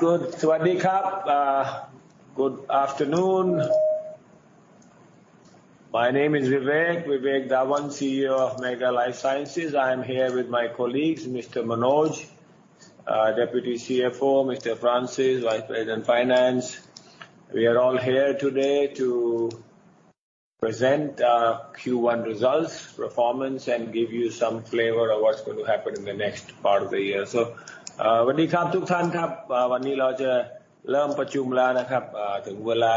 All right. Good. 说话好。Good afternoon. My name is Vivek. Vivek Dhawan, CEO of Mega Lifesciences. I'm here with my colleagues, Mr. Manoj, Deputy CFO, Mr. Francis, Vice President, Finance. We are all here today to present our Q1 results, performance, and give you some flavor of what's going to happen in the next part of the year. 说话好。ทุกท่านครั บ. วันนี้เราจะเริ่มประชุมแล้วนะครั บ. เอ่อถึงเวลา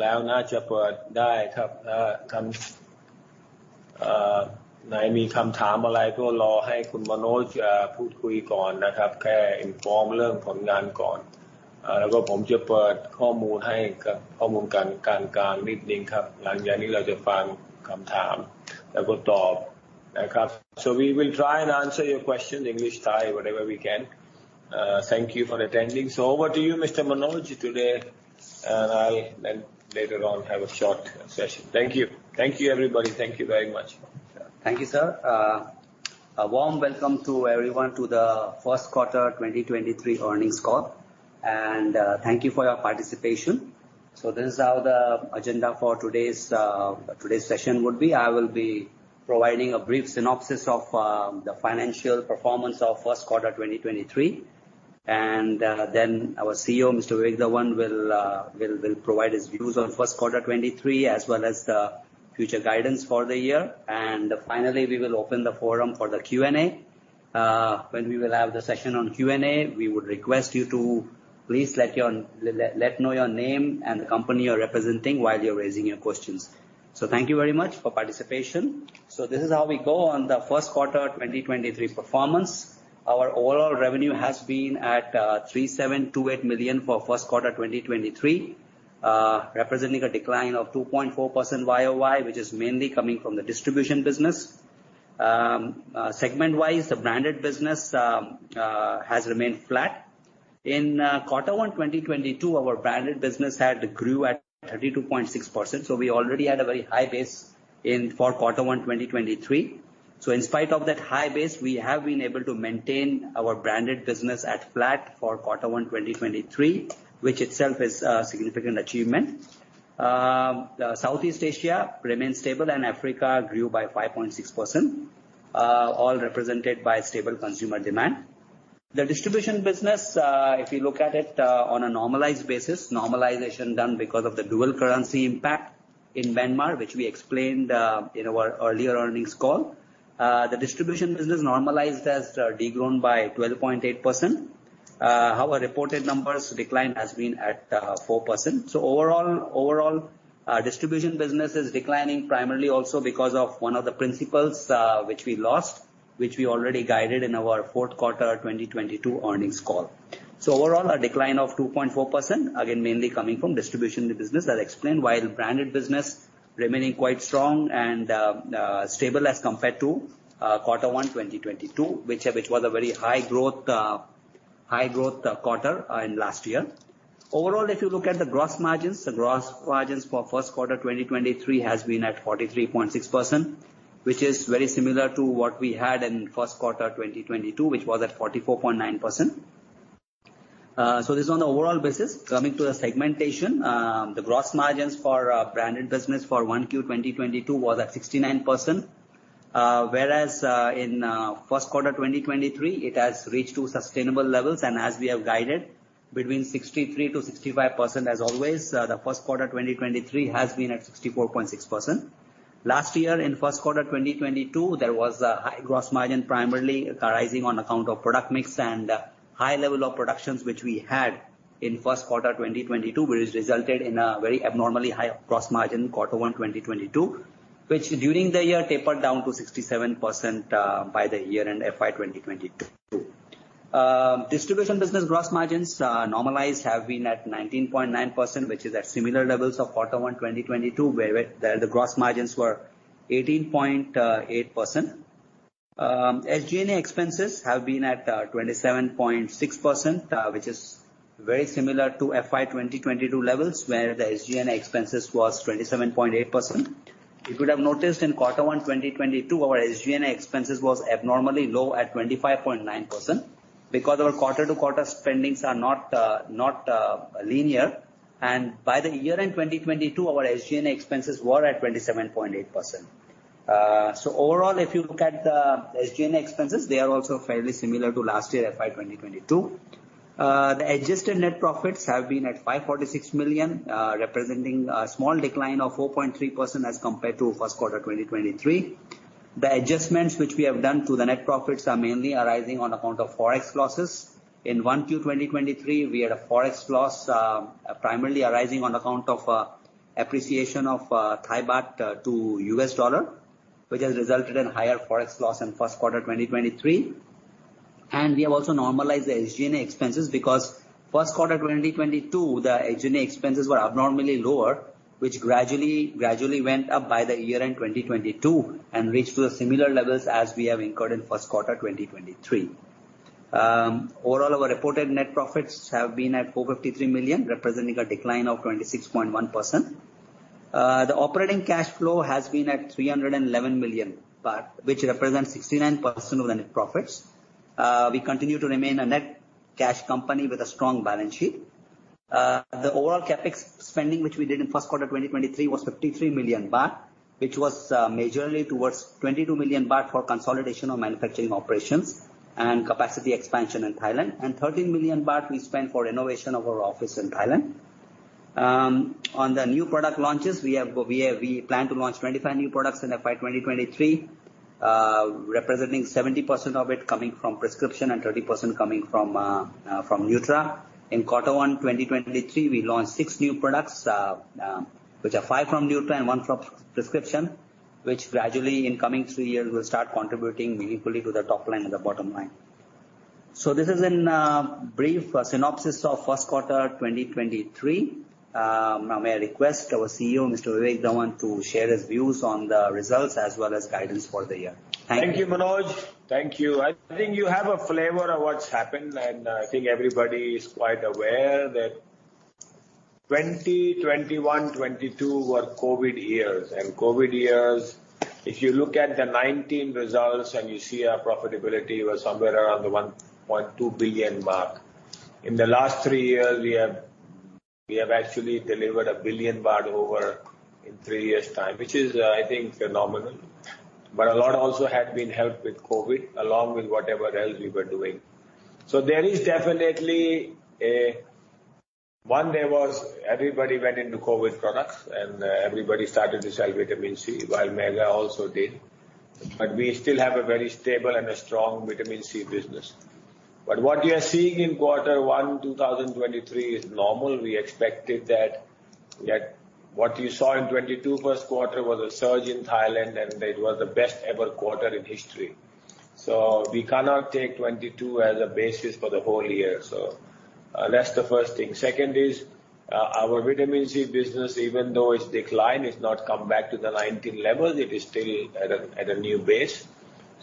แล้วน่าจะเปิดได้ครั บ. เอ่อทำเอ่อไหนมีคำถามอะไรก็รอให้คุณมาโนชเอ่อพูดคุยก่อนนะครั บ. แค่ inform เรื่องผลงานก่อ น. เอ่อแล้วก็ผมจะเปิดข้อมูลให้ครับข้อมูลการกลางๆนิดนึงครั บ. หลังจากนี้เราจะฟังคำถามแล้วก็ตอบนะครั บ. We will try and answer your questions English, Thai, whatever we can. Thank you for attending. Over to you, Mr. Manoj, today, and I'll then later on have a short session. Thank you. Thank you, everybody. Thank you very much. Thank you, sir. A warm welcome to everyone to the first quarter 2023 earnings call. Thank you for your participation. This is how the agenda for today's today's session would be. I will be providing a brief synopsis of the financial performance of first quarter 2023. Our CEO, Mr. Vivek Dhawan, will provide his views on first quarter 2023 as well as the future guidance for the year. Finally, we will open the forum for the Q and A. When we will have the session on Q and A, we would request you to please let know your name and the company you're representing while you're raising your questions. Thank you very much for participation. This is how we go on the first quarter 2023 performance. Our overall revenue has been at 3,728 million for first quarter 2023, representing a decline of 2.4% YoY, which is mainly coming from the distribution business. Segment-wise, the branded business has remained flat. In Q1 2022, our branded business had grew at 32.6%, we already had a very high base for Q1 2023. In spite of that high base, we have been able to maintain our branded business at flat for Q1 2023, which itself is a significant achievement. Southeast Asia remains stable, and Africa grew by 5.6%, all represented by stable consumer demand. The distribution business, if you look at it, on a normalized basis, normalization done because of the dual currency impact in Myanmar, which we explained in our earlier earnings call. The distribution business normalized as de-grown by 12.8%. Our reported numbers decline has been at 4%. Overall, distribution business is declining primarily also because of one of the principles which we lost, which we already guided in our fourth quarter 2022 earnings call. Overall, a decline of 2.4%, again, mainly coming from distribution business. I'll explain why the branded business remaining quite strong and stable as compared to Q1 2022, which was a very high growth quarter in last year. Overall, if you look at the gross margins, the gross margins for first quarter 2023 has been at 43.6%, which is very similar to what we had in first quarter 2022, which was at 44.9%. This is on the overall basis. Coming to the segmentation, the gross margins for our branded business for Q1 2022 was at 69%, whereas in first quarter 2023, it has reached to sustainable levels. As we have guided between 63%-65% as always, the first quarter 2023 has been at 64.6%. Last year in first quarter 2022, there was a high gross margin primarily arising on account of product mix and high level of productions which we had in first quarter 2022, which resulted in a very abnormally high gross margin Q1 2022. Which during the year tapered down to 67% by the year-end FY 2022. Distribution business gross margins normalized have been at 19.9%, which is at similar levels of Q1 2022, where the gross margins were 18.8%. SG&A expenses have been at 27.6%, which is very similar to FY 2022 levels, where the SG&A expenses was 27.8%. You could have noticed in Q1 2022, our SG&A expenses was abnormally low at 25.9% because our quarter-to-quarter spendings are not linear. By the year-end 2022, our SG&A expenses were at 27.8%. Overall, if you look at the SG&A expenses, they are also fairly similar to last year, FY 2022. The adjusted net profits have been at 546 million, representing a small decline of 4.3% as compared to first quarter 2023. The adjustments which we have done to the net profits are mainly arising on account of Forex losses. In 1Q 2023, we had a Forex loss, primarily arising on account of appreciation of Thai baht to US dollar, which has resulted in higher Forex loss in first quarter 2023. We have also normalized the SG&A expenses because first quarter 2022, the SG&A expenses were abnormally lower, which gradually went up by the year-end 2022 and reached to the similar levels as we have incurred in first quarter 2023. Overall, our reported net profits have been at 453 million, representing a decline of 26.1%. The operating cash flow has been at 311 million baht, which represents 69% of the net profits. We continue to remain a net cash company with a strong balance sheet. The overall CapEx spending which we did in first quarter 2023 was 53 million baht. Which was majorly towards 22 million baht for consolidation of manufacturing operations and capacity expansion in Thailand. 13 million baht we spent for renovation of our office in Thailand. On the new product launches, we plan to launch 25 new products in FY 2023, representing 70% of it coming from prescription and 30% coming from Nutra. In quarter one 2023, we launched six new products, which are five from Nutra and one from prescription, which gradually in coming three years will start contributing meaningfully to the top line and the bottom line. This is in a brief synopsis of first quarter 2023. May I request our CEO, Mr. Vivek Dhawan, to share his views on the results as well as guidance for the year. Thank you. Thank you, Manoj. Thank you. I think you have a flavor of what's happened. I think everybody is quite aware that 2021, 2022 were COVID years. COVID years, if you look at the 2019 results and you see our profitability was somewhere around the 1.2 billion mark. In the last three years, we have actually delivered 1 billion baht over in three years' time, which is, I think phenomenal. A lot also had been helped with COVID, along with whatever else we were doing. There is definitely one, there was everybody went into COVID products and everybody started to sell vitamin C, while Mega also did. We still have a very stable and a strong vitamin C business. What we are seeing in Q1 2023 is normal. We expected that. What you saw in 2022 first quarter was a surge in Thailand. It was the best ever quarter in history. We cannot take 2022 as a basis for the whole year. That's the first thing. Second is our vitamin C business, even though it's declined, it's not come back to the 2019 levels. It is still at a new base.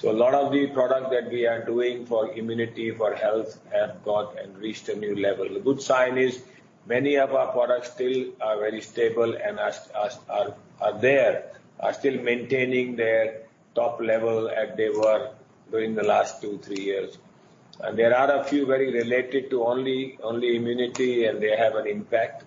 A lot of the products that we are doing for immunity, for health have got and reached a new level. The good sign is many of our products still are very stable and are there, are still maintaining their top level as they were during the last two, three years. There are a few very related to only immunity, and they have an impact.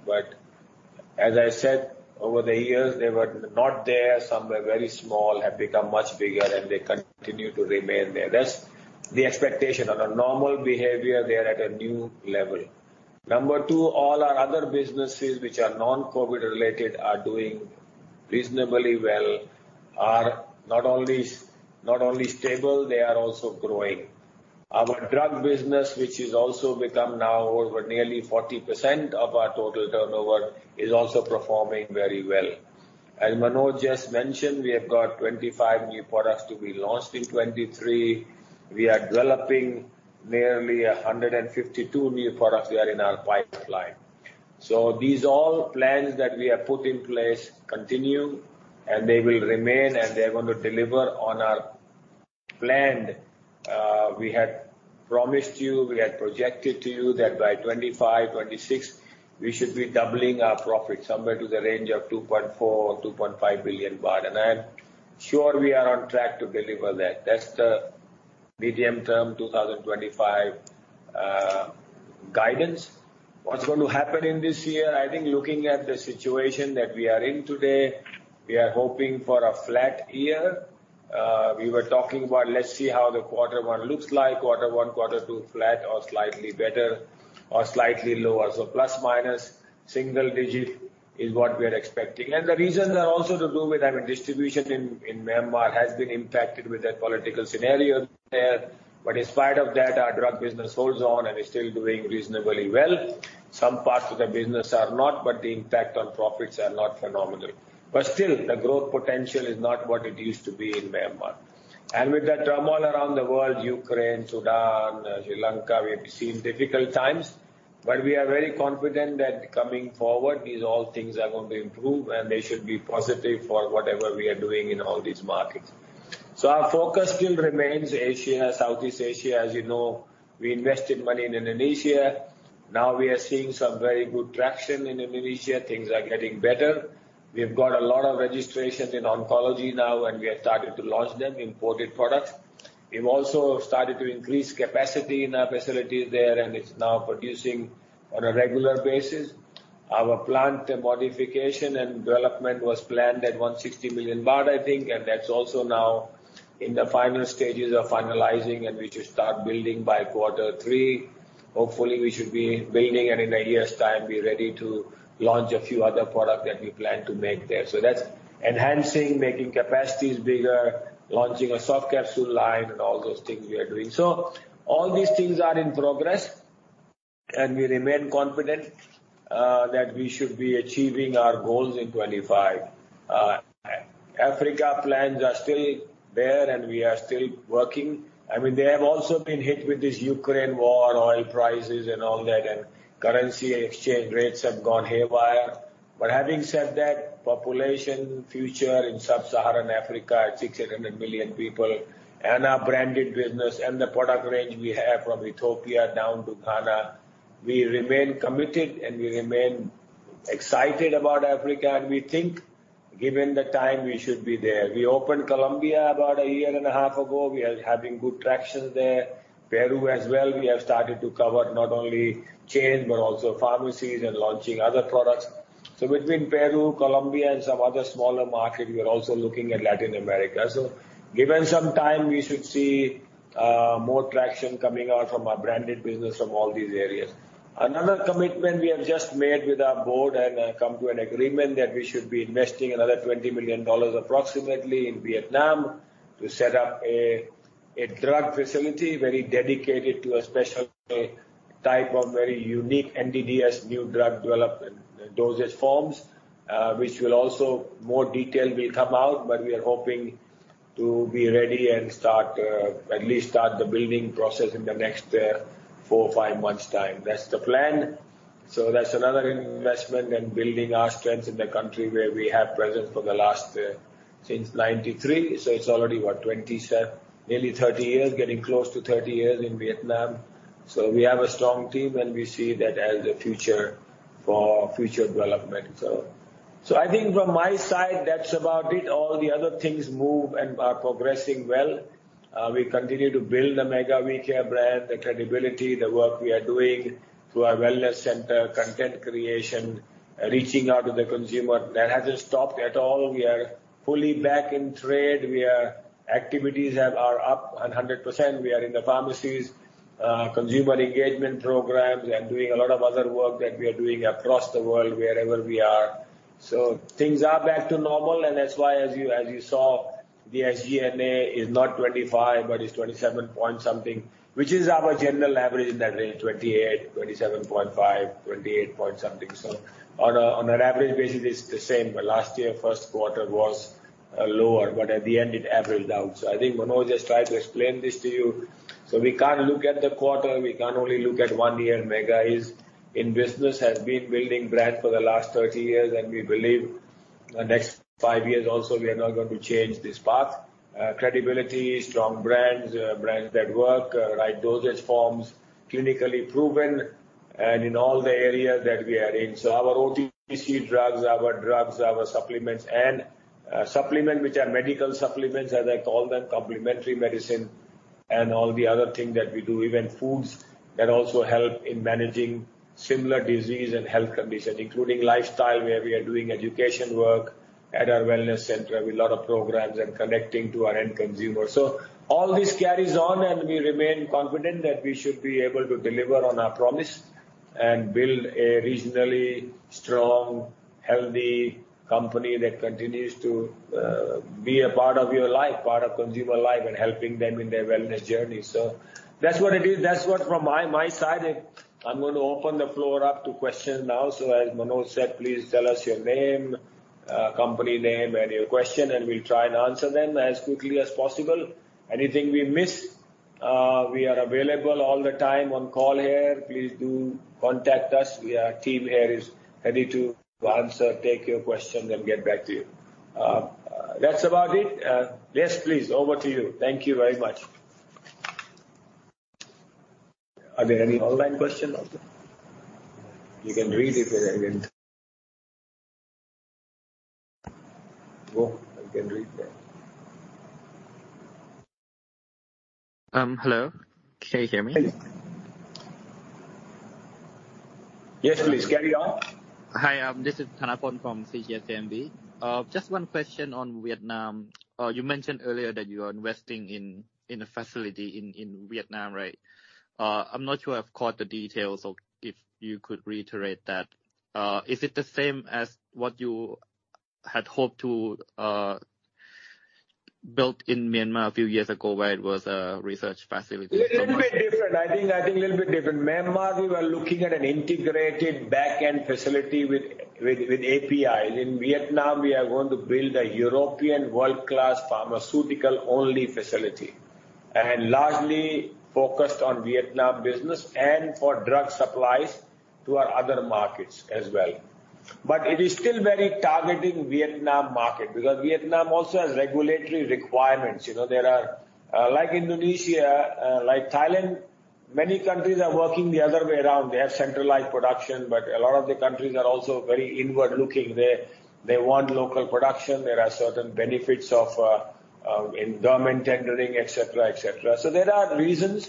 As I said, over the years, they were not there. Some were very small, have become much bigger, and they continue to remain there. That's the expectation. On a normal behavior, they are at a new level. Number two, all our other businesses which are non-COVID related are doing reasonably well. Not only stable, they are also growing. Our drug business, which is also become now over nearly 40% of our total turnover, is also performing very well. As Manoj just mentioned, we have got 2025 new products to be launched in 2023. We are developing nearly 152 new products that are in our pipeline. These all plans that we have put in place continue, and they will remain, and they are gonna deliver on our plan. We had promised you, we had projected to you that by 2025, 2026, we should be doubling our profit somewhere to the range of 2.4 billion or 2.5 billion baht. I am sure we are on track to deliver that. That's the medium-term 2025 guidance. What's going to happen in this year? I think looking at the situation that we are in today, we are hoping for a flat year. We were talking about let's see how the quarter one looks like. Quarter one, quarter two, flat or slightly better or slightly lower. ± single-digit is what we are expecting. The reasons are also to do with, I mean, distribution in Myanmar has been impacted with the political scenario there. In spite of that, our drug business holds on and is still doing reasonably well. Some parts of the business are not, but the impact on profits are not phenomenal. Still, the growth potential is not what it used to be in Myanmar. With the turmoil around the world, Ukraine, Sudan, Sri Lanka, we have seen difficult times. We are very confident that coming forward, these all things are going to improve, and they should be positive for whatever we are doing in all these markets. Our focus still remains Asia, Southeast Asia. As you know, we invested money in Indonesia. Now we are seeing some very good traction in Indonesia. Things are getting better. We have got a lot of registrations in oncology now, and we have started to launch them, imported products. We've also started to increase capacity in our facilities there, and it's now producing on a regular basis. Our plant modification and development was planned at 160 million baht, I think. That's also now in the final stages of finalizing, and we should start building by quarter three. Hopefully, we should be building, and in a year's time, be ready to launch a few other product that we plan to make there. That's enhancing, making capacities bigger, launching a soft capsule line and all those things we are doing. All these things are in progress, and we remain confident, that we should be achieving our goals in 2025. Africa plans are still there. We are still working. I mean, they have also been hit with this Ukraine war and oil prices and all that, and currency exchange rates have gone haywire. Having said that, population future in sub-Saharan Africa at 600 million people, and our branded business and the product range we have from Ethiopia down to Ghana. We remain committed and we remain excited about Africa, and we think given the time we should be there. We opened Colombia about a year and a half ago. We are having good traction there. Peru as well, we have started to cover not only chains but also pharmacies and launching other products. Between Peru, Colombia and some other smaller market, we are also looking at Latin America. Given some time, we should see more traction coming out from our branded business from all these areas. Another commitment we have just made with our board and come to an agreement that we should be investing another $20 million approximately in Vietnam to set up a drug facility, very dedicated to a special type of very unique NDDS new drug development dosage forms, which will also. More detail will come out, we are hoping to be ready and start at least the building process in the next four, five months' time. That's the plan. That's another investment and building our strengths in the country where we have presence for the last, since 1993. It's already, what? Nearly 30 years. Getting close to 30 years in Vietnam. We have a strong team, and we see that as a future for future development. I think from my side, that's about it. All the other things move and are progressing well. We continue to build the Mega We Care brand, the credibility, the work we are doing through our wellness center, content creation, reaching out to the consumer. That hasn't stopped at all. We are fully back in trade. Activities are up 100%. We are in the pharmacies, consumer engagement programs. We are doing a lot of other work that we are doing across the world, wherever we are. Things are back to normal, and that's why as you, as you saw, the SG&A is not 25 but it's 27 point something, which is our general average in that range, 28, 27.5, 28 point something. On a, on an average basis, it's the same. Last year, first quarter was lower, but at the end it averaged out. I think Manoj just tried to explain this to you. We can't look at the quarter, we can't only look at one year. Mega is in business, has been building brand for the last 30 years, and we believe the next five years also, we are not going to change this path. Credibility, strong brands that work, right dosage forms, clinically proven and in all the areas that we are in. Our OTC drugs, our drugs, our supplements and supplement, which are medical supplements, as I call them, complementary medicine and all the other thing that we do, even foods that also help in managing similar disease and health conditions, including lifestyle, where we are doing education work at our wellness center with a lot of programs and connecting to our end consumers. All this carries on, and we remain confident that we should be able to deliver on our promise and build a regionally strong, healthy company that continues to be a part of your life, part of consumer life and helping them in their wellness journey. That's what it is. That's what from my side. I'm going to open the floor up to questions now. As Manoj said, please tell us your name, company name and your question, and we'll try and answer them as quickly as possible. Anything we miss, we are available all the time on call here. Please do contact us. Team here is ready to answer, take your questions and get back to you. That's about it. Yes, please. Over to you. Thank you very much. Are there any online questions also? You can read it. Oh, I can read that. Hello. Can you hear me? Yes, please. Carry on. Hi. This is Thanaporn from CGS-CIMB. Just one question on Vietnam. You mentioned earlier that you are investing in a facility in Vietnam, right? I'm not sure I've caught the details, so if you could reiterate that. Is it the same as what you had hoped to build in Myanmar a few years ago, where it was a research facility? Little bit different. I think a little bit different. Myanmar, we were looking at an integrated back-end facility with APIs. In Vietnam, we are going to build a European world-class pharmaceutical-only facility and largely focused on Vietnam business and for drug supplies to our other markets as well. It is still very targeting Vietnam market because Vietnam also has regulatory requirements. You know, there are like Indonesia, like Thailand, many countries are working the other way around. They have centralized production, but a lot of the countries are also very inward-looking. They want local production. There are certain benefits of in government tendering, et cetera, et cetera. There are reasons,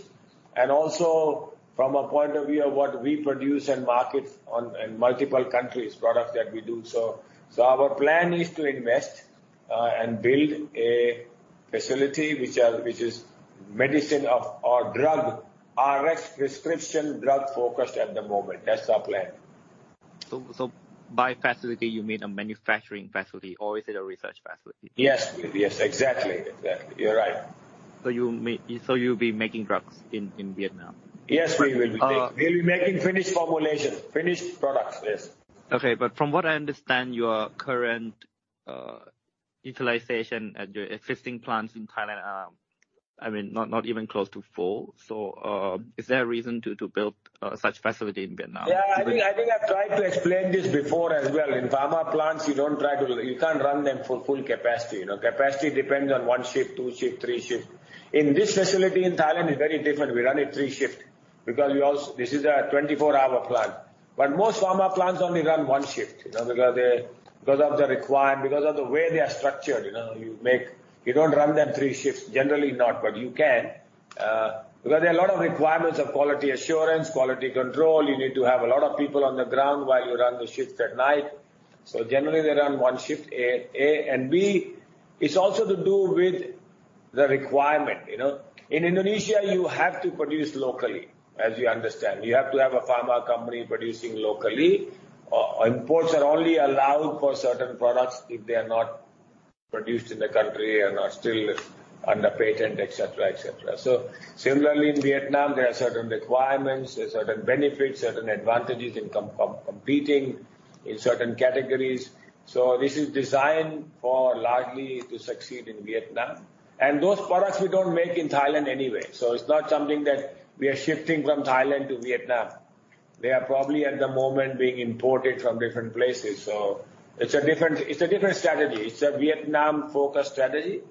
and also from a point of view of what we produce and market on, in multiple countries, products that we do so. Our plan is to invest, and build a facility which is medicine of or drug, RX prescription drug-focused at the moment. That's our plan. By facility, you mean a manufacturing facility or is it a research facility? Yes. Yes, exactly. Exactly. You're right. You'll be making drugs in Vietnam? Yes, we will. We'll be making finished formulations, finished products, yes. From what I understand, your current utilization at your existing plants in Thailand are, I mean, not even close to full. Is there a reason to build such facility in Vietnam? Yeah. I think I've tried to explain this before as well. In pharma plants, you don't try to. You can't run them for full capacity, you know? Capacity depends on one shift, two shift, three shift. In this facility in Thailand, it's very different. We run it three shift because we this is a 24-hour plant. Most pharma plants only run one shift, you know, because they because of the way they are structured. You know, you make. You don't run them three shifts. Generally not, but you can, because there are a lot of requirements of quality assurance, quality control. You need to have a lot of people on the ground while you run the shifts at night. Generally, they run one shift. A and B. It's also to do with the requirement, you know. In Indonesia, you have to produce locally, as you understand. You have to have a pharma company producing locally. Imports are only allowed for certain products if they are not produced in the country and are still under patent, et cetera, et cetera. Similarly, in Vietnam, there are certain requirements, there are certain benefits, certain advantages in competing in certain categories. This is designed for largely to succeed in Vietnam. Those products we don't make in Thailand anyway, so it's not something that we are shifting from Thailand to Vietnam. They are probably at the moment being imported from different places. It's a different, it's a different strategy. It's a Vietnam-focused strategy,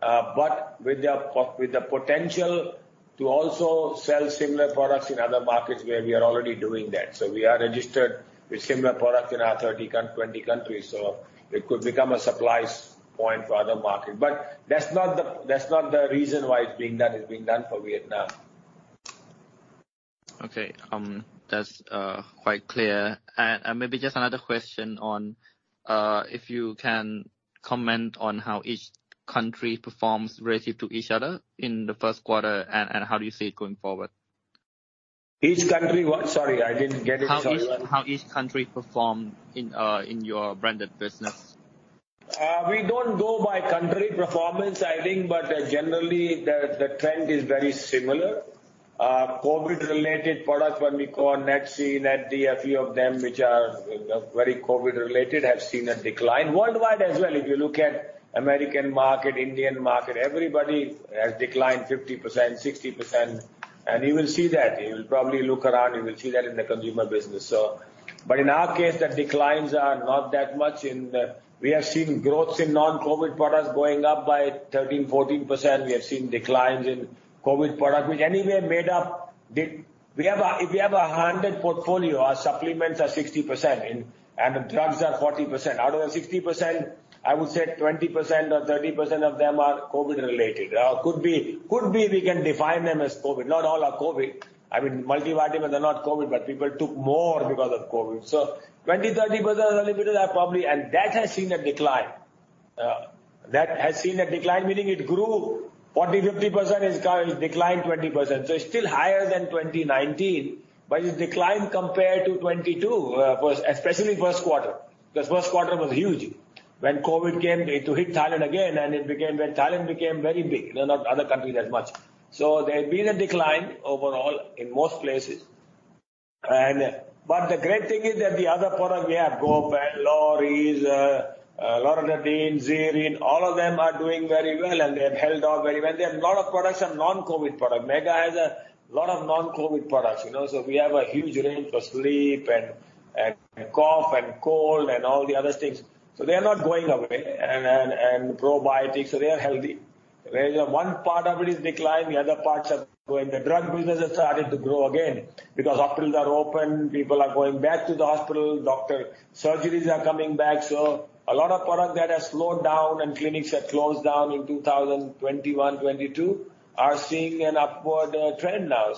but with the potential to also sell similar products in other markets where we are already doing that. We are registered with similar products in our 20 countries. It could become a supplies point for other market. That's not the reason why it's being done. It's being done for Vietnam. Okay. That's quite clear. Maybe just another question on if you can comment on how each country performs relative to each other in the first quarter, and how do you see it going forward? Each country what? Sorry, I didn't get it. Sorry. How each country perform in your branded business? We don't go by country performance, I think, but generally the trend is very similar. COVID-related products, when we go on Nat C, Nat D, a few of them which are very COVID related, have seen a decline. Worldwide as well, if you look at American market, Indian market, everybody has declined 50%, 60%. You will see that. You will probably look around, you will see that in the consumer business. But in our case, the declines are not that much. We have seen growth in non-COVID products going up by 13%-14%. We have seen declines in COVID product, which anyway are made up. We have a, if we have a 100 portfolio, our supplements are 60% and the drugs are 40%. Out of the 60%, I would say 20% or 30% of them are COVID related. Could be, could be we can define them as COVID. Not all are COVID. I mean, multivitamin are not COVID, but people took more because of COVID. 20%, 30% are limited are probably. That has seen a decline. That has seen a decline, meaning it grew 40%, 50% is declined 20%. It's still higher than 2019, but it's declined compared to 2022, first, especially first quarter. First quarter was huge when COVID came to hit Thailand again, and it became. When Thailand became very big. You know, not other countries as much. There has been a decline overall in most places. The great thing is that the other product we have, Gofen, Loris, Loratadine, Zyrine, all of them are doing very well, and they have held up very well. There are a lot of products are non-COVID product. Mega has a lot of non-COVID products, you know. We have a huge range for sleep and cough and cold and all the other things. They are not going away. And probiotics. They are healthy. Where one part of it is declined, the other parts are growing. The drug business has started to grow again because hospitals are open, people are going back to the hospital, doctor surgeries are coming back. A lot of product that has slowed down and clinics had closed down in 2021, 22 are seeing an upward trend now.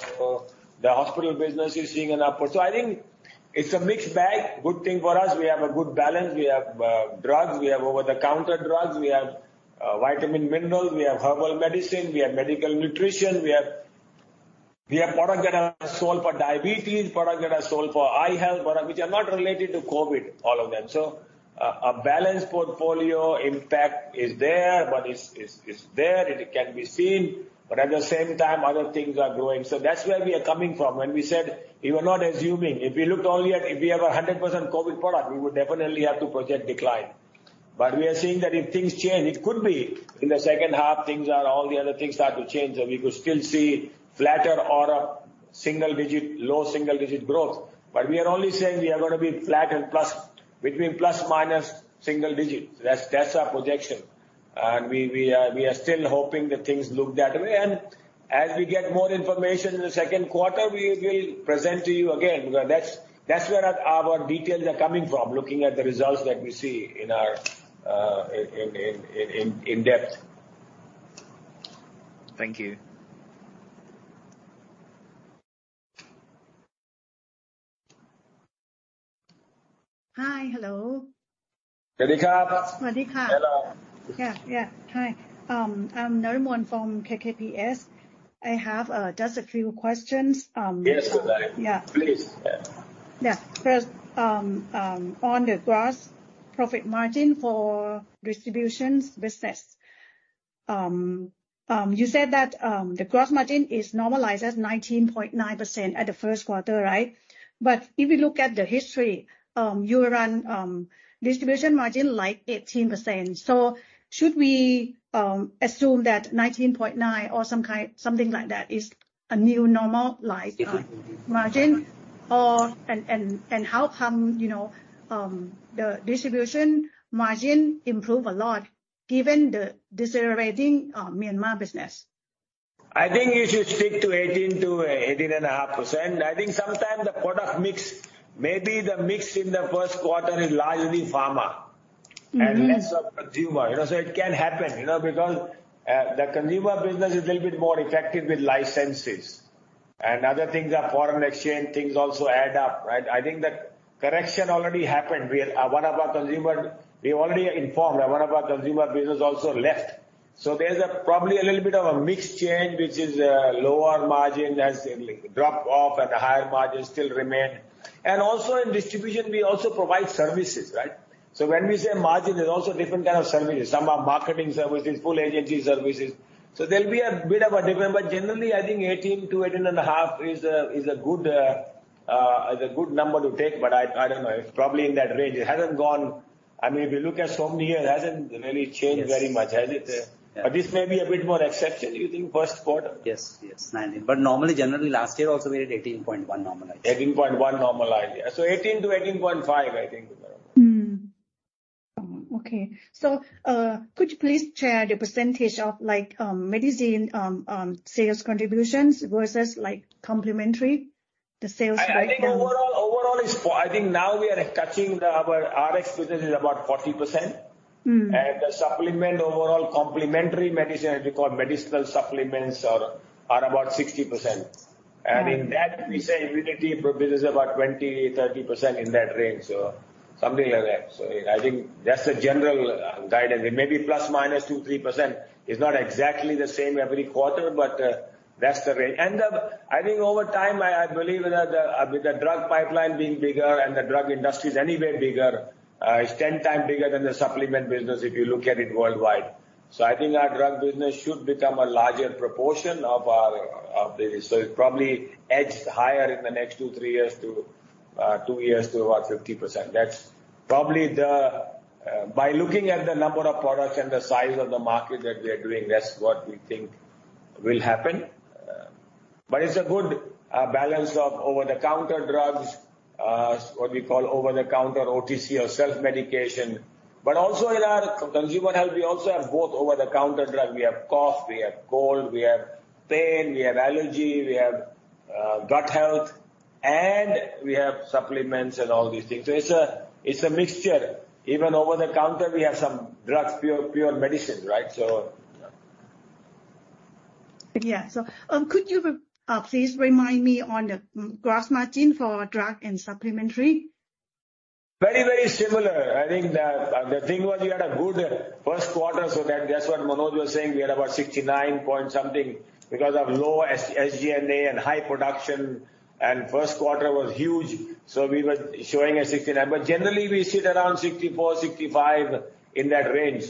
The hospital business is seeing an upward. I think it's a mixed bag. Good thing for us, we have a good balance. We have drugs, we have over-the-counter drugs, we have vitamin minerals, we have herbal medicine, we have medical nutrition, we have product that are sold for diabetes, product that are sold for eye health, product which are not related to COVID, all of them. A balanced portfolio impact is there, but it's there and it can be seen, but at the same time other things are growing. That's where we are coming from. When we said we were not assuming. If we have a 100% COVID product, we would definitely have to project decline. We are seeing that if things change, it could be in the second half, things are. All the other things start to change. We could still see flatter or a single digit, low single digit growth. We are only saying we are gonna be flat and plus, between plus/minus single digit. That's our projection. We are still hoping that things look that way. As we get more information in the second quarter, we will present to you again, because that's where our details are coming from, looking at the results that we see in our in-depth. Thank you. Hi. Hello. Hello. Yeah, yeah. Hi. I'm Narin from KKPS. I have just a few questions. Yes, go ahead. Yeah. Please. Yeah. First, on the gross profit margin for distributions business. You said that the gross margin is normalized at 19.9% at the first quarter, right? If you look at the history, you run distribution margin like 18%. Should we assume that 19.9% or something like that is a new normalized- Yes Margin? How come, you know, the distribution margin improve a lot given the decelerating, Myanmar business? I think you should stick to 18% to 18.5%. I think sometimes the product mix, maybe the mix in the first quarter is largely pharma- Mm-hmm. Less of consumer, you know. It can happen, you know, because the consumer business is a little bit more effective with licenses and other things like foreign exchange, things also add up, right? I think the correction already happened where one of our consumer business also left. There's probably a little bit of a mix change, which is lower margin that's, like, drop off and the higher margin still remain. Also in distribution, we also provide services, right? When we say margin, there's also different kind of services. Some are marketing services, full agency services. There'll be a bit of a difference. Generally, I think 18%-18.5% is a good number to take, but I don't know. It's probably in that range. It hasn't gone. I mean, if you look at so many years, it hasn't really changed very much. Yes. Has it? This may be a bit more exception you think first quarter? Yes. Yes. Normally, generally, last year also we had 18.1 normalized. 18.1 normalized. Yeah. 18-18.5, I think is our number. Okay. Could you please share the percentage of like, medicine, sales contributions versus like complementary? The sales breakdown. I think overall. Our expenses is about 40%. Mm-hmm. The supplement overall complementary medicine is called medicinal supplements are about 60%. Mm-hmm. In that we say immunity contributes about 20%-30% in that range, something like that. I think that's the general guidance. It may be plus minus 2%-3%. It's not exactly the same every quarter, but that's the range. I think over time, I believe that the, with the drug pipeline being bigger and the drug industry is anyway bigger, it's 10 times bigger than the supplement business if you look at it worldwide. I think our drug business should become a larger proportion of our, of business. It probably edges higher in the next two to three years to two years to about 50%. That's probably the, by looking at the number of products and the size of the market that we are doing, that's what we think will happen. It's a good balance of over-the-counter drugs, what we call over-the-counter OTC or self-medication. Also in our consumer health, we also have both over-the-counter drug. We have cough, we have cold, we have pain, we have allergy, we have gut health, and we have supplements and all these things. It's a mixture. Even over the counter we have some drugs, pure medicine, right? Please remind me on the gross margin for drug and supplementary? Very, very similar. I think the thing was you had a good first quarter, that's what Manoj was saying. We had about 69 point something% because of low SG&A and high production. First quarter was huge, we were showing a 69%. Generally, we sit around 64%-65% in that range.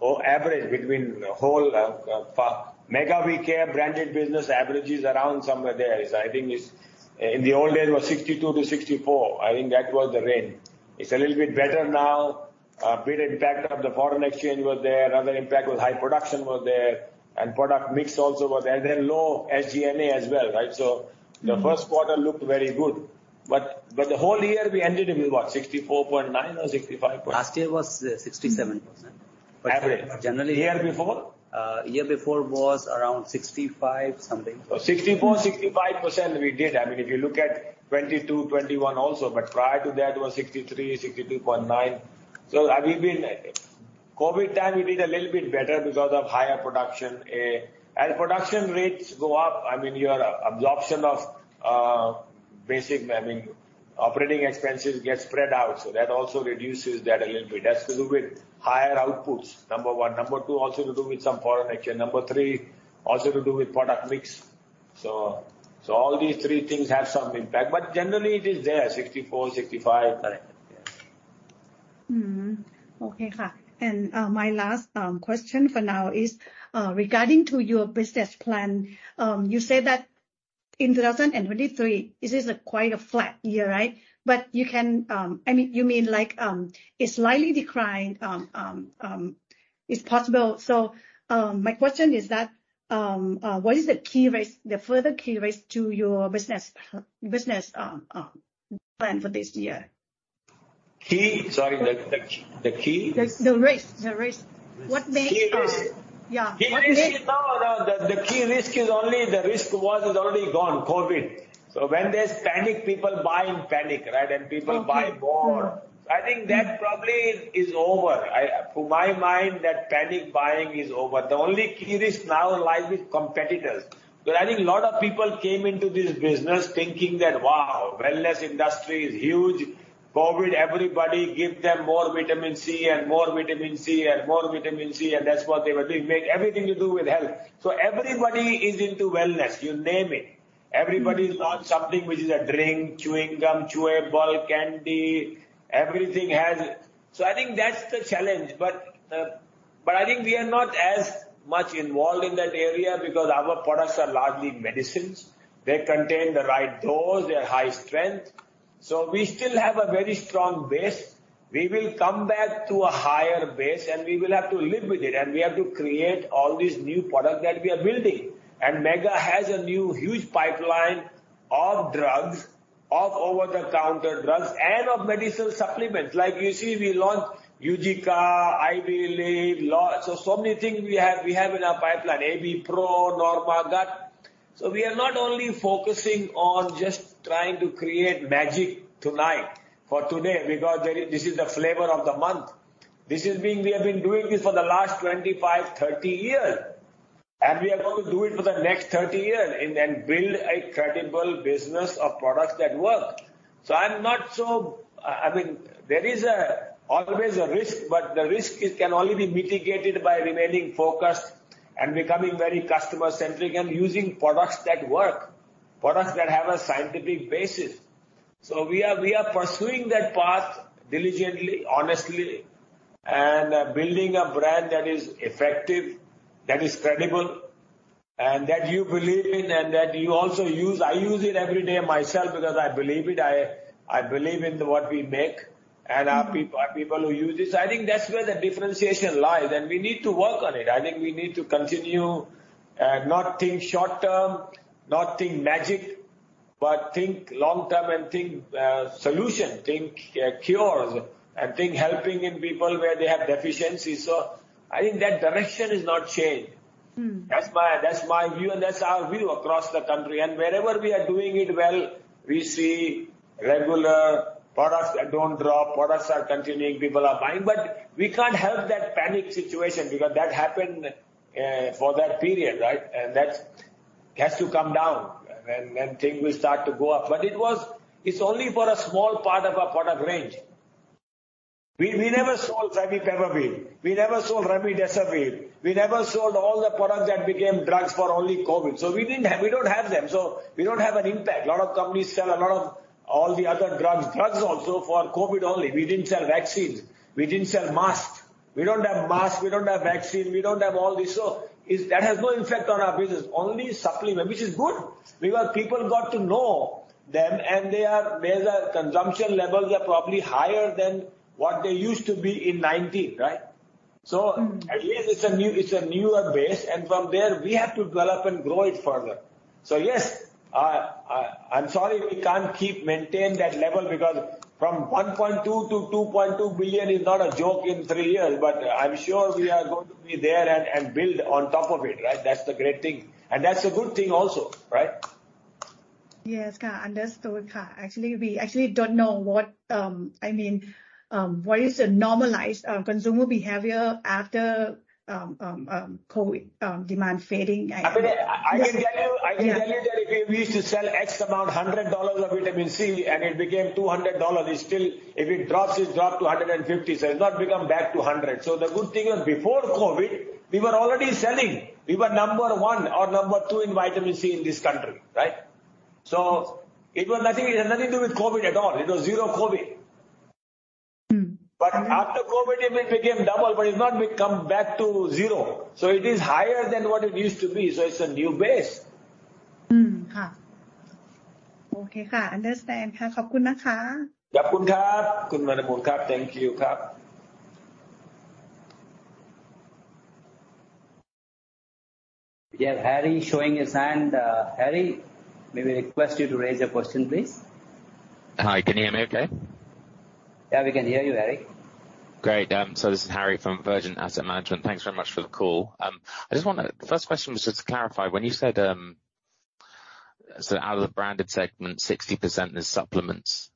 Average between the whole Mega We Care branded business average is around somewhere there. I think it's in the old days was 62%-64%. I think that was the range. It's a little bit better now. Bit impact of the foreign exchange was there. Another impact was high production was there, product mix also was there. Low SG&A as well, right? Mm-hmm. The first quarter looked very good. The whole year we ended with what? 64.9 or 65 point- Last year was 67%. Average. Generally- Year before? Year before was around 65 something. 64%-65% we did. I mean, if you look at 2022, 2021 also. Prior to that was 63%, 62.9%. COVID time we did a little bit better because of higher production. As production rates go up, I mean, your absorption of basic, I mean, operating expenses get spread out, that also reduces that a little bit. It has to do with higher outputs, number one. Number two, also to do with some foreign exchange. Number three, also to do with product mix. All these three things have some impact, but generally it is there, 64%-65% kind. Okay. My last question for now is regarding to your business plan. You said that in 2023, this is quite a flat year, right? You can, I mean, you mean like, it's slightly declined, it's possible. My question is that what is the key risk, the further key risk to your business plan for this year? Key? Sorry, the key? The risk. The risk. Key risk. Yeah. Key risk is no. The key risk is only the risk is already gone, COVID. When there's panic, people buy in panic, right? People buy more. Okay. I think that probably is over. I, to my mind, that panic buying is over. The only key risk now lies with competitors. I think a lot of people came into this business thinking that, wow, wellness industry is huge. COVID, everybody give them more Vitamin C and more Vitamin C and more Vitamin C, and that's what they were doing. Make everything to do with health. Everybody is into wellness, you name it. Mm-hmm. Everybody's launched something which is a drink, chewing gum, chewable candy, everything has. I think that's the challenge, but I think we are not as much involved in that area because our products are largely medicines. They contain the right dose, they're high strength. We still have a very strong base. We will come back to a higher base, and we will have to live with it. We have to create all these new product that we are building. Mega has a new huge pipeline of drugs, of over-the-counter drugs and of medicinal supplements. Like you see, we launched Eugica, Eye Relief. Many things we have, we have in our pipeline. AB Pro, Normagut. We are not only focusing on just trying to create magic tonight for today because there is this is the flavor of the month. We have been doing this for the last 25, 30 years. We are going to do it for the next 30 years and build a credible business of products that work. I mean, there is always a risk, but the risk is, can only be mitigated by remaining focused and becoming very customer-centric and using products that work, products that have a scientific basis. We are pursuing that path diligently, honestly, and building a brand that is effective, that is credible, and that you believe in and that you also use. I use it every day myself because I believe it. I believe in what we make and our people who use this. I think that's where the differentiation lies. We need to work on it. I think we need to continue, not think short term, not think magic, but think long term and think solution, think cures, and think helping in people where they have deficiencies. I think that direction is not changed. Mm-hmm. That's my view, and that's our view across the country. Wherever we are doing it well, we see regular products that don't drop. Products are continuing, people are buying. We can't help that panic situation because that happened for that period, right? That has to come down and things will start to go up. It's only for a small part of our product range. We never sold Remdesivir. We never sold Remdesivir. We never sold all the products that became drugs for only Covid. We don't have them. We don't have an impact. A lot of companies sell a lot of all the other drugs. Drugs also for Covid only. We didn't sell vaccines. We didn't sell masks. We don't have masks. We don't have vaccines. We don't have all this. That has no impact on our business. Only supplement. Which is good because people got to know them and their consumption levels are probably higher than what they used to be in 2019, right? Mm-hmm. At least it's a new, it's a newer base. From there we have to develop and grow it further. Yes, I'm sorry we can't keep maintain that level because from 1.2 billion-2.2 billion is not a joke in three years. I'm sure we are going to be there and build on top of it, right? That's the great thing. That's a good thing also, right? Yes. Understand. Actually, we actually don't know what. I mean, what is the normalized consumer behavior after COVID demand fading. I mean, I can tell you that if we used to sell X amount, $100 of vitamin C and it became $200, it's still, if it drops, it drops to $150. It's not become back to 100. The good thing is before Covid, we were already selling. We were number one or number two in vitamin C in this country, right? It was nothing, it had nothing to do with Covid at all. It was zero Covid. Mm-hmm. After COVID it may became double, but it's not become back to zero. It is higher than what it used to be. It's a new base. Okay. Understand. Thank you. We have Harry showing his hand. Harry, may we request you to raise your question, please. Hi. Can you hear me okay? Yeah, we can hear you, Harry. Great. This is Harry from UOB Asset Management. Thanks very much for the call. I just wonder, the first question was just to clarify, when you said, out of the branded segment, 60% is supplements.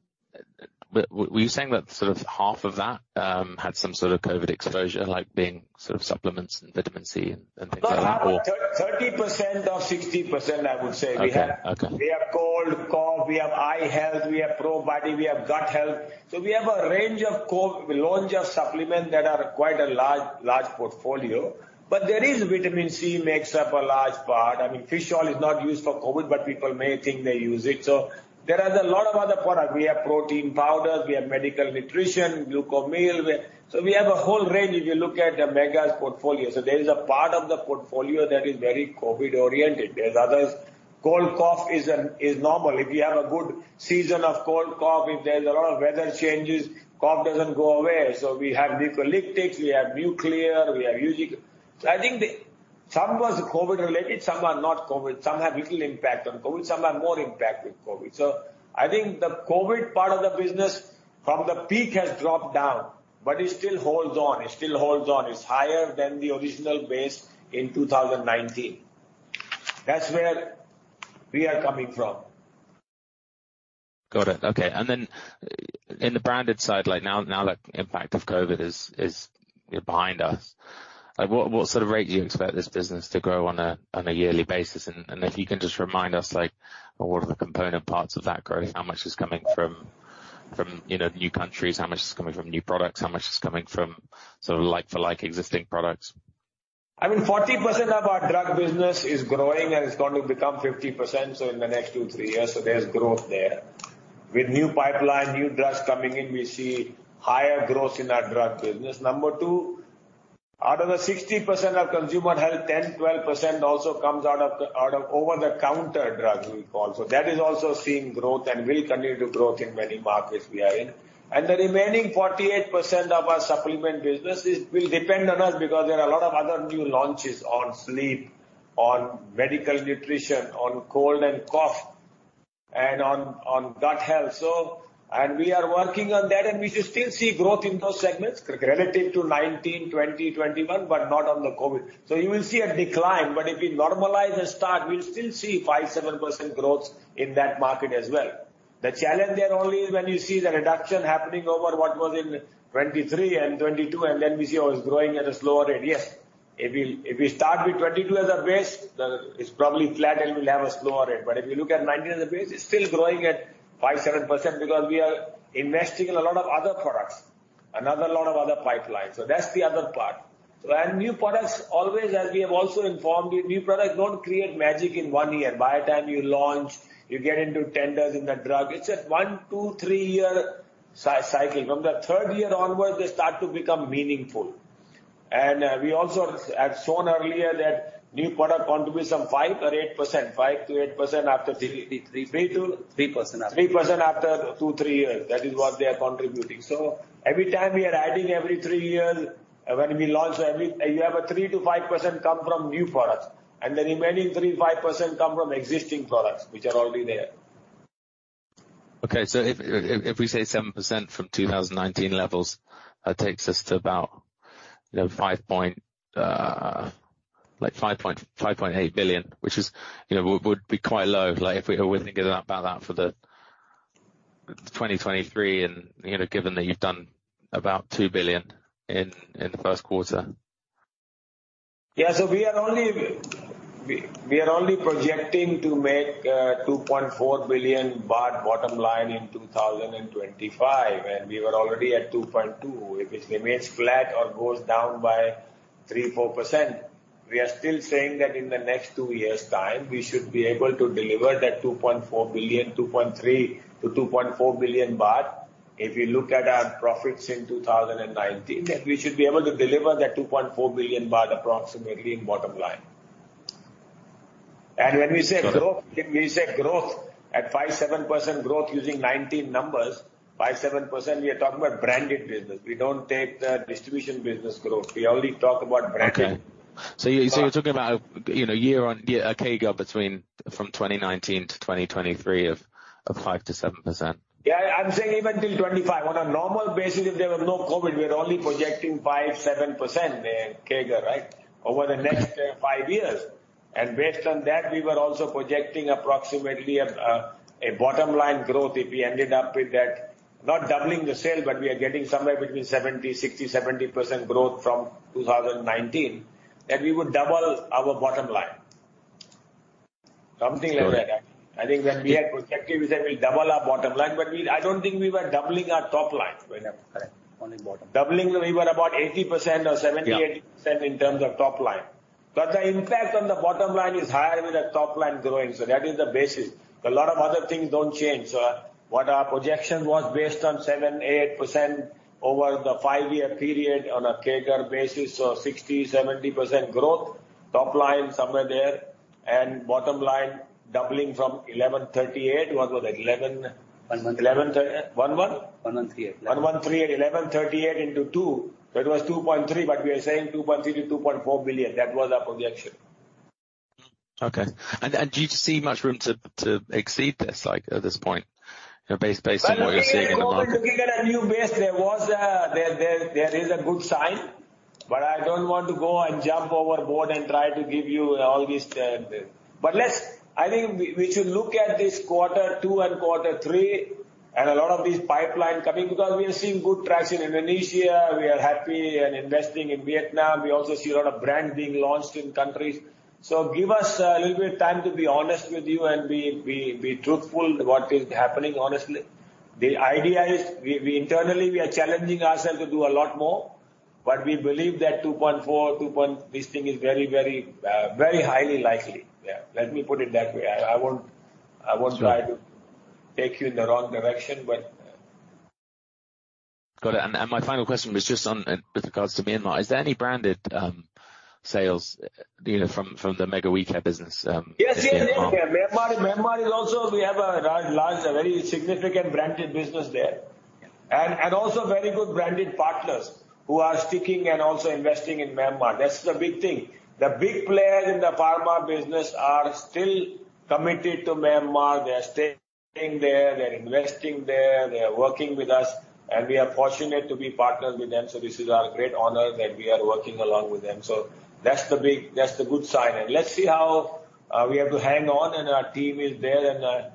Were you saying that sort of half of that had some sort of COVID exposure, like being sort of supplements and Vitamin C and things like that or? No. 30% of 60%, I would say. Okay. Okay. We have cold, cough, we have eye health, we have pro-body, we have gut health. We have a range of supplements that are quite a large portfolio. There is vitamin C makes up a large part. I mean, fish oil is not used for Covid, people may think they use it. There are a lot of other products. We have protein powders, we have medical nutrition, Glucomil. We have a whole range if you look at Mega's portfolio. There is a part of the portfolio that is very Covid oriented. There's others. Cold, cough is normal. If you have a good season of cold, cough, if there's a lot of weather changes, cough doesn't go away. We have Neocodion, we have Nucal, we have Musi. I think some was Covid related, some are not Covid. Some have little impact on Covid, some have more impact with Covid. I think the Covid part of the business from the peak has dropped down, but it still holds on. It still holds on. It's higher than the original base in 2019. That's where we are coming from. Got it. Okay. Then in the branded side, like now the impact of COVID is behind us, like, what sort of rate do you expect this business to grow on a yearly basis? If you can just remind us, like, what are the component parts of that growth? How much is coming from, you know, new countries? How much is coming from new products? How much is coming from sort of like for like existing products? I mean, 40% of our drug business is growing, and it's going to become 50%, so in the next two to three years. There's growth there. With new pipeline, new drugs coming in, we see higher growth in our drug business. Number two. Out of the 60% of consumer health, 10%-12% also comes out of over-the-counter drugs, we call. That is also seeing growth and will continue to grow in many markets we are in. The remaining 48% of our supplement business is, will depend on us because there are a lot of other new launches on sleep, on medical nutrition, on cold and cough, and on gut health. We are working on that, and we should still see growth in those segments relative to 2019, 2020, 2021, but not on the COVID. You will see a decline, but if you normalize the start, we'll still see 5%-7% growth in that market as well. The challenge there only is when you see the reduction happening over what was in 2023 and 2022, and then we see it was growing at a slower rate. Yes. If we start with 22 as a base, it's probably flat and we'll have a slower rate. If you look at 19 as a base, it's still growing at 5%-7% because we are investing in a lot of other products, another lot of other pipelines. That's the other part. When new products always, as we have also informed you, new products don't create magic in one year. By the time you launch, you get into tenders in the drug. It's a one, two, three-year cycle. From the third year onwards, they start to become meaningful. We also had shown earlier that new product contribution 5%-8%. Three. Three to- 3% after. 3% after 2-3 years. That is what they are contributing. Every time we are adding every three years, when we launch, you have a 3%-5% come from new products, and the remaining 3%, 5% come from existing products which are already there. If we say 7% from 2019 levels, that takes us to about, you know, 5.8 billion, which is, you know, would be quite low, like if we're thinking about that for 2023 and, you know, given that you've done about 2 billion in the 1st quarter. Yeah. We are only projecting to make 2.4 billion baht bottom line in 2025. We were already at 2.2 billion. If it remains flat or goes down by 3%-4%, we are still saying that in the next two years' time we should be able to deliver that 2.4 billion, 2.3 billion-2.4 billion baht. If you look at our profits in 2019, that we should be able to deliver that 2.4 billion approximately in bottom line. Got it. We say growth at 5%-7% growth using 19 numbers. 5%-7%, we are talking about branded business. We don't take the distribution business growth. We only talk about branding. Okay. You're talking about a, you know, year-over-year, a CAGR between, from 2019 to 2023 of 5%-7%? Yeah. I'm saying even till 2025. On a normal basis, if there were no COVID, we're only projecting 5-7% CAGR, right? Over the next five years. Based on that, we were also projecting approximately a bottom line growth if we ended up with that, not doubling the sale, but we are getting somewhere between 60-70% growth from 2019, that we would double our bottom line. Something like that. Okay. I think when we are projecting, we said we'll double our bottom line, but I don't think we were doubling our top line. Correct. Only bottom line. Doubling, we were about 80% or 70- Yeah. 80% in terms of top line. The impact on the bottom line is higher with the top line growing, that is the basis. A lot of other things don't change. What our projection was based on 7%, 8% over the five-year period on a CAGR basis, 60%, 70% growth, top line somewhere there, and bottom line doubling from 1,138. What was it? 11- 1138. 11? 1138. 1,138. 1,138 into two. That was 2.3 billion, we are saying 2.3 billion-2.4 billion. That was our projection. Okay. Do you see much room to exceed this, like, at this point, you know, based on what you're seeing in the market? Looking at our new base, there is a good sign, I don't want to go and jump overboard and try to give you all these. I think we should look at this quarter two and quarter three, and a lot of these pipeline coming because we are seeing good traction in Indonesia. We are happy and investing in Vietnam. We also see a lot of brands being launched in countries. Give us a little bit of time to be honest with you and be truthful what is happening honestly. The idea is we internally, we are challenging ourselves to do a lot more, but we believe that 2.4. This thing is very, very highly likely. Yeah. Let me put it that way. I won't try to. Sure. Take you in the wrong direction, but. Got it. My final question was just on, with regards to Myanmar. Is there any branded sales, you know, from the Mega We Care business in Myanmar? Yes, Myanmar is also, we have a large, a very significant branded business there. Also very good branded partners who are sticking and also investing in Myanmar. That's the big thing. The big players in the pharma business are still committed to Myanmar. They are staying there. They're investing there. They are working with us, and we are fortunate to be partners with them. This is our great honor that we are working along with them. That's the big. That's the good sign. Let's see how we have to hang on, our team is there,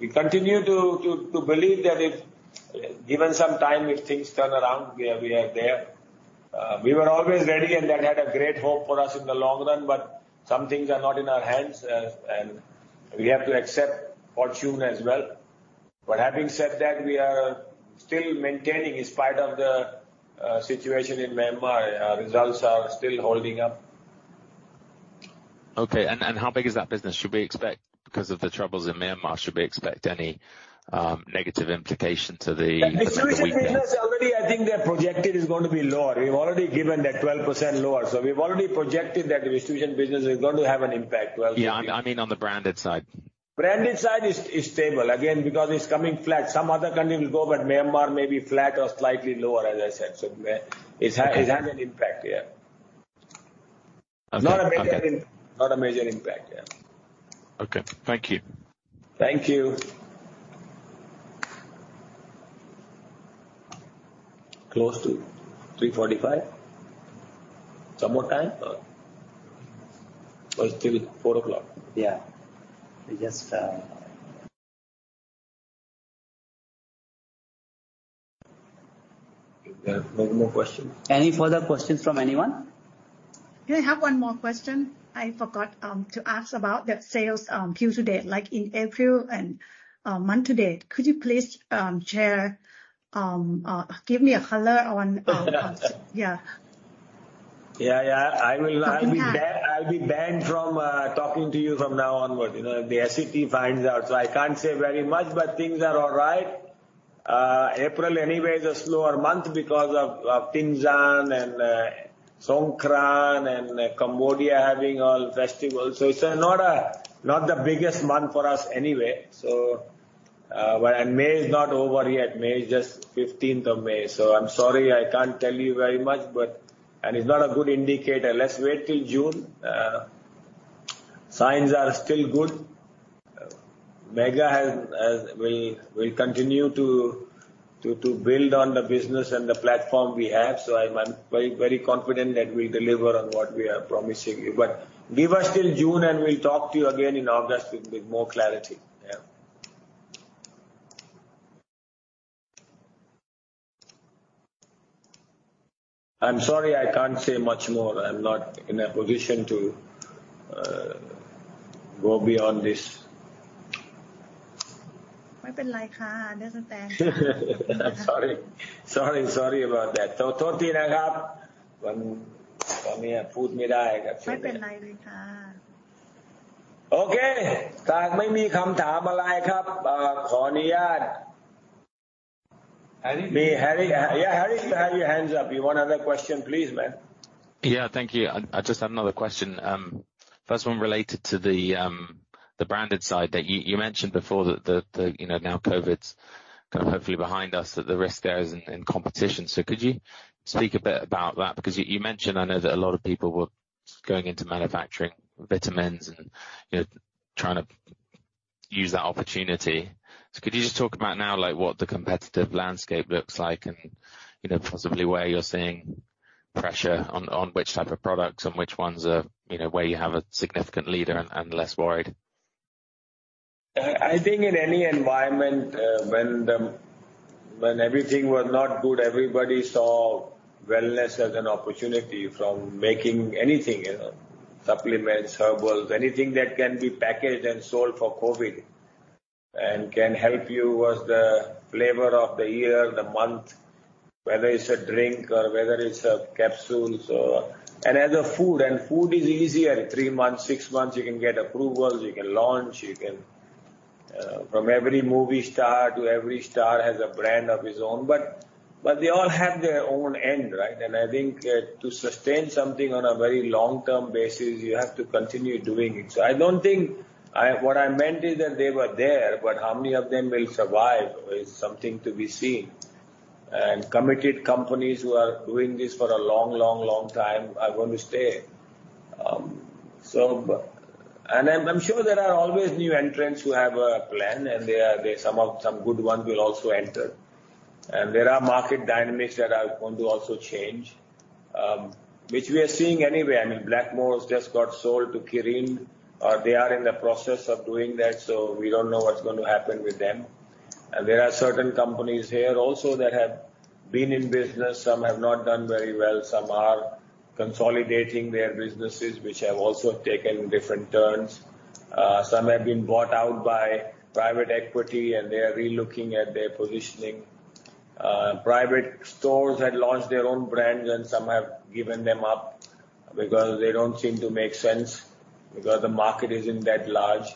we continue to believe that if, given some time, if things turn around, we are, we are there. We were always ready, and that had a great hope for us in the long run, but some things are not in our hands, and we have to accept fortune as well. Having said that, we are still maintaining, in spite of the situation in Myanmar, our results are still holding up. Okay. and how big is that business? Should we expect, because of the troubles in Myanmar, should we expect any negative implication? The distribution business already I think they are projected is going to be lower. We've already given that 12% lower. We've already projected that the distribution business is going to have an impact 12%. Yeah. I mean on the branded side. Branded side is stable. Again, because it's coming flat. Some other countries will go, but Myanmar may be flat or slightly lower, as I said. May. Okay. It's had an impact, yeah. Okay. Okay. Not a major impact, yeah. Okay. Thank you. Thank you. Close to 3:45 P.M. Some more time or? It's 3:00 P.M., 4:00 P.M. clock. Yeah. We just. There are no more questions. Any further questions from anyone? I have 1 more question. I forgot to ask about the sales Q to date, like in April and month to date. Could you please share, give me a color on? Yeah, yeah. Thank you. I'll be banned from talking to you from now onwards, you know, if the SEC finds out. I can't say very much, but things are all right. April anyway is a slower month because of Songkran and Songkran and Cambodia having all festivals. It's not the biggest month for us anyway. but. May is not over yet. May is just 15th of May. I'm sorry I can't tell you very much, but. It's not a good indicator. Let's wait till June. Signs are still good. Mega will continue to build on the business and the platform we have. I'm very confident that we'll deliver on what we are promising you. Give us till June, and we'll talk to you again in August with more clarity. Yeah. I'm sorry I can't say much more. I'm not in a position to go beyond this. I'm sorry. Sorry about that. Harry. Me, Harry. Yeah, Harry, you had your hands up. You want another question? Please, man. Yeah. Thank you. I just have another question. First one related to the branded side that you mentioned before that the, you know, now COVID's kind of hopefully behind us, that the risk there is in competition. Could you speak a bit about that? Because you mentioned, I know that a lot of people were going into manufacturing vitamins and, you know, trying to use that opportunity. Could you just talk about now, like, what the competitive landscape looks like and, you know, possibly where you're seeing pressure on which type of products and which ones are, you know, where you have a significant leader and less worried? I think in any environment, when everything was not good, everybody saw wellness as an opportunity from making anything, you know, supplements, herbals, anything that can be packaged and sold for COVID and can help you was the flavor of the year, the month, whether it's a drink or whether it's capsules or. As a food. Food is easier. Three months, six months, you can get approvals, you can launch, you can. From every movie star to every star has a brand of his own. They all have their own end, right? I think to sustain something on a very long-term basis, you have to continue doing it. I don't think. What I meant is that they were there, but how many of them will survive is something to be seen. Committed companies who are doing this for a long time are going to stay. I'm sure there are always new entrants who have a plan, and there are some good ones will also enter. There are market dynamics that are going to also change, which we are seeing anyway. I mean, Blackmores just got sold to Kirin. They are in the process of doing that, so we don't know what's going to happen with them. There are certain companies here also that have been in business. Some have not done very well. Some are consolidating their businesses, which have also taken different turns. Some have been bought out by private equity, and they are relooking at their positioning. Private stores had launched their own brands, and some have given them up because they don't seem to make sense because the market isn't that large.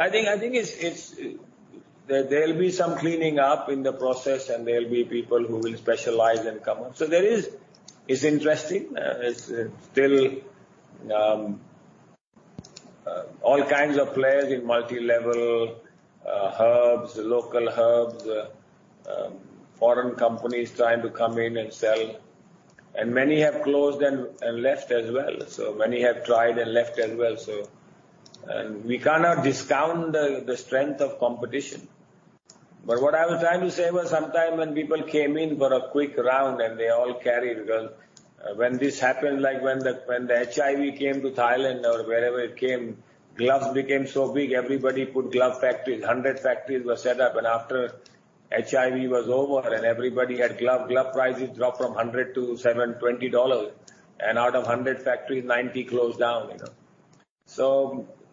I think it's. There'll be some cleaning up in the process, and there'll be people who will specialize and come up. It's interesting. It's still all kinds of players in multi-level, herbs, local herbs, foreign companies trying to come in and sell. Many have closed and left as well. Many have tried and left as well. We cannot discount the strength of competition. What I was trying to say was sometime when people came in for a quick round and they all carried, when this happened, like when the HIV came to Thailand or wherever it came, gloves became so big, everybody put glove factories. 100 factories were set up. After HIV was over and everybody had glove prices dropped from $100 to $720 dollars. Out of 100 factories, 90 closed down, you know.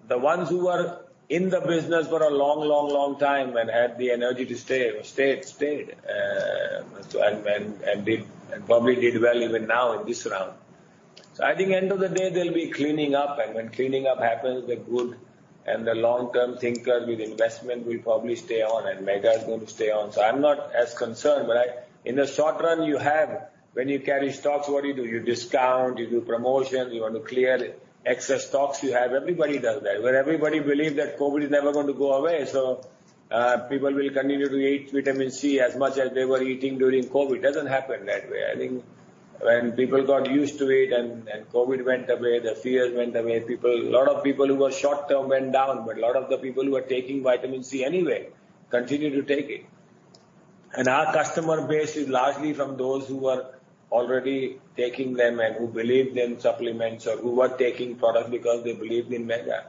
The ones who were in the business for a long, long, long time and had the energy to stay, stayed. Did, and probably did well even now in this round. I think end of the day they'll be cleaning up and when cleaning up happens, the good and the long-term thinkers with investment will probably stay on, and Mega is going to stay on. I'm not as concerned, but in the short run, you have when you carry stocks, what do you do? You discount, you do promotions, you want to clear excess stocks you have. Everybody does that. Everybody believed that COVID is never going to go away, so people will continue to eat vitamin C as much as they were eating during COVID. Doesn't happen that way. I think when people got used to it and COVID went away, the fears went away. Lot of people who were short-term went down, but a lot of the people who were taking vitamin C anyway continued to take it. Our customer base is largely from those who were already taking them and who believe in supplements or who were taking product because they believed in Mega.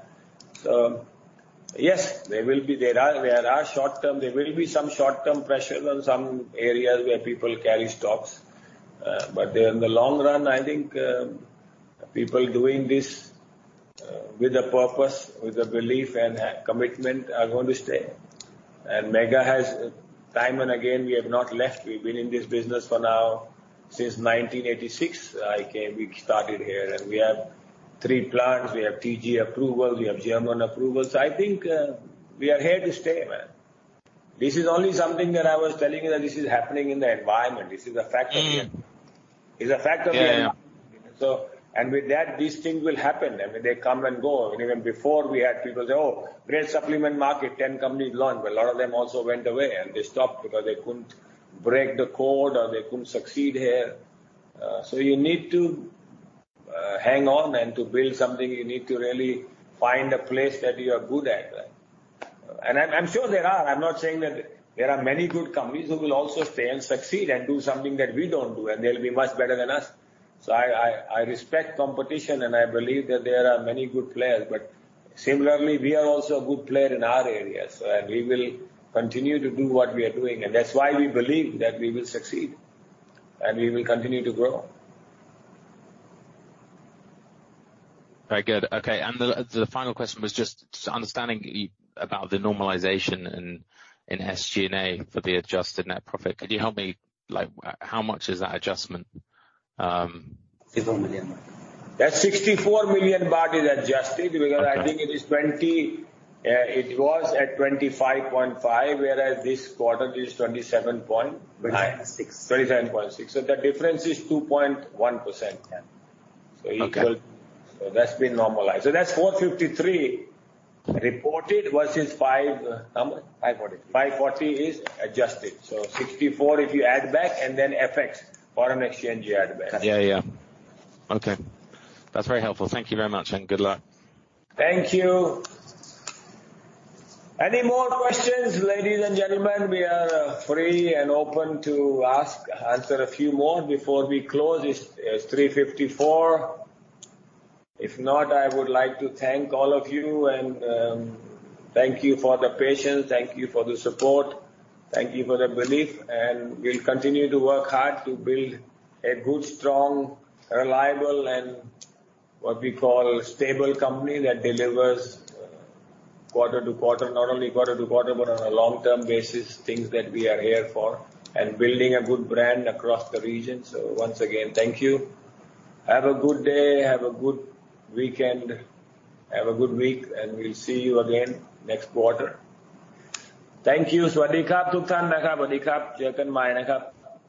Yes, there will be. There are short-term. There will be some short-term pressures on some areas where people carry stocks. But in the long run, I think, people doing this, with a purpose, with a belief and a commitment are going to stay. Mega has time and again, we have not left. We've been in this business for now since 1986. I came, we started here, and we have three plants. We have TGA approval, we have German approval. I think, we are here to stay, man. This is only something that I was telling you that this is happening in the environment. This is a factor. Mm-hmm. It's a factor. Yeah, yeah. With that, these things will happen. I mean, they come and go. Even before we had people say, "Oh, great supplement market, 10 companies launch." A lot of them also went away and they stopped because they couldn't break the code or they couldn't succeed here. You need to hang on and to build something, you need to really find a place that you are good at. I'm sure there are. I'm not saying that there are many good companies who will also stay and succeed and do something that we don't do, and they'll be much better than us. I respect competition, and I believe that there are many good players. Similarly, we are also a good player in our area, and we will continue to do what we are doing. That's why we believe that we will succeed and we will continue to grow. Very good. Okay. The final question was just understanding about the normalization in SG&A for the adjusted net profit. Could you help me, like how much is that adjustment? 64 million. That 64 million baht is adjusted because I think it is 20. It was at 25.5, whereas this quarter it is THB 27. Six. 27.6. The difference is 2.1%. Okay. That's been normalized. That's 453 reported versus five. How much? 540 540 is adjusted. 64 if you add back and then FX, foreign exchange you add back. Yeah. Okay. That's very helpful. Thank you very much. Good luck. Thank you. Any more questions, ladies and gentlemen? We are free and open to ask, answer a few more before we close. It's 3:54 P.M. If not, I would like to thank all of you and thank you for the patience, thank you for the support, thank you for the belief. We'll continue to work hard to build a good, strong, reliable and what we call a stable company that delivers quarter to quarter. Not only quarter to quarter, but on a long-term basis, things that we are here for and building a good brand across the region. Once again, thank you. Have a good day. Have a good weekend. Have a good week, and we'll see you again next quarter. Thank you.